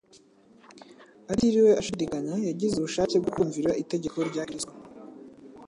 Atiriwe ashidikanya, yagize ubushake bwo kumvira itegeko rya Kristo